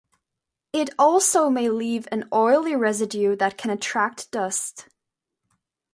It also may leave an oily residue that can attract dust.